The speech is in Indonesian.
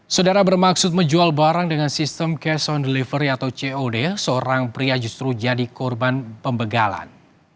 saudara bermaksud menjual barang dengan sistem cash on delivery atau cod seorang pria justru jadi korban pembegalan